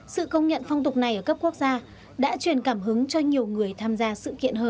sự công nhận phong tục này ở cấp quốc gia đã truyền cảm hứng cho nhiều người tham gia sự kiện hơn